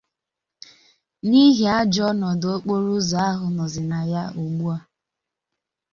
n'ihi ajọ ọnọdụ okporoụzọ ahụ nọzị na ya ugbua.